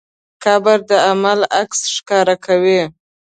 قبر د عمل عکس ښکاره کوي.